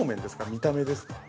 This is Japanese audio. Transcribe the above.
見た目ですか。